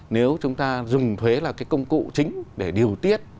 nếu chúng ta dùng thuế là cái công cụ chính để điều tiết